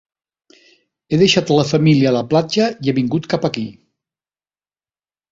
He deixat la família a la platja i he vingut cap aquí.